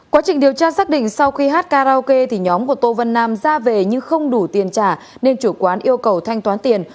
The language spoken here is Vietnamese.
quá trình điều tra xác định sau khi hát karaoke thì nhóm của tô văn nam ra về nhưng không đủ tiền trả nên chủ quán yêu cầu thanh toán tiền